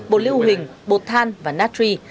bột lưu hình bột than và natri